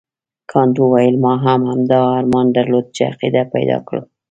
کانت وویل ما هم همدا ارمان درلود چې عقیده پیدا کړم.